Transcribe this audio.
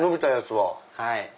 はい。